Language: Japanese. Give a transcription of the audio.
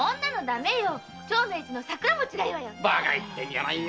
長命寺の桜餅がいいわ。